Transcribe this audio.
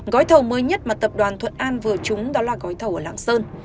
gói thầu mới nhất mà tập đoàn thuận an vừa trúng đó là gói thầu ở lạng sơn